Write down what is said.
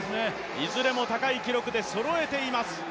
いずれも高い記録でそろえています。